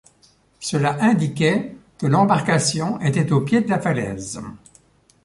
Cela indiquait que l’embarcation était au pied de la falaise.